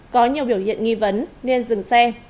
có nhiều biểu hiện nghi vấn nên dừng xe